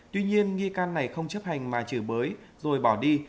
tuy nhiên nghi can này không chấp hành mà chửi bới rồi bỏ đi